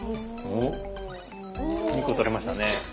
２個取れましたね。